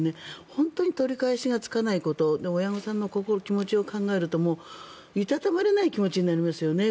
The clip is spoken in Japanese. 本当に取り返しがつかないこと親御さんの気持ちを考えるといたたまれない気持ちになりますよね。